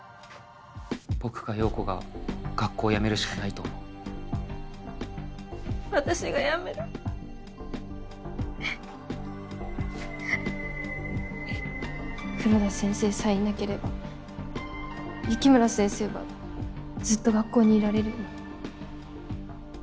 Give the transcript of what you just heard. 僕か陽子が学校を辞めるしか私が辞める泣き声黒田先生さえいなければ雪村先生はずっと学校にいられるのに。